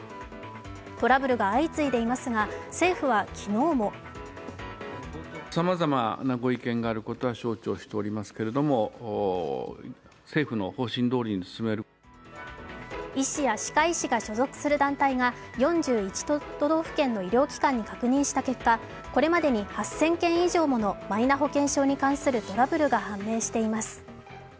トラブルが相次いでいますが政府は昨日も医師や歯科医師が所属する団体が４１都道府県の医療機関に確認した結果これまでに８０００件以上ものマイナ保険証に関するトラブルが判明しています。